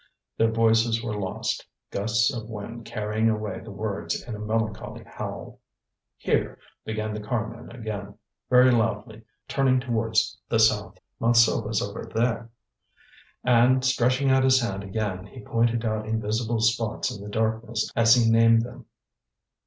Their voices were lost, gusts of wind carrying away the words in a melancholy howl. "Here!" began the carman again very loudly, turning towards the south. "Montsou is over there." And stretching out his hand again he pointed out invisible spots in the darkness as he named them.